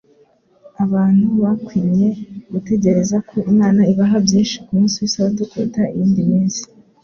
Abantu bakwinye gutegereza ko Imana ibaha byinshi ku munsi w'isabato kuruta iyindi minsi.